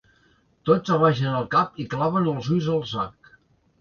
Tots abaixen el cap i claven els ulls al sac.